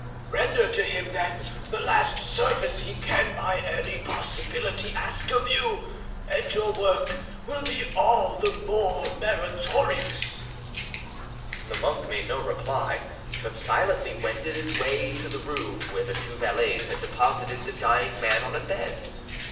Render to him, then, the last service he can by any possibility ask of you, and your work will be all the more meritorious." The monk made no reply, but silently wended his way to the room where the two valets had deposited the dying man on a bed.